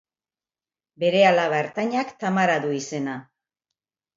Bere alaba ertainak Tamara du izena.